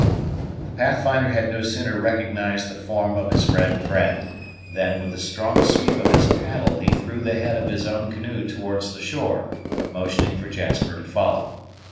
The Pathfinder had no sooner recognized the form of his red friend, than, with a strong sweep of his paddle, he threw the head of his own canoe towards the shore, motioning for Jasper to follow.